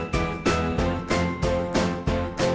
มีความสุขในที่เราอยู่ในช่องนี้ก็คือความสุขในที่เราอยู่ในช่องนี้